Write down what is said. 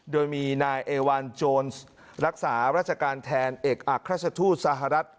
โดยมีนายเอวันโจรรักษาราชการแทนเอกอักราชทูตสหรัฐ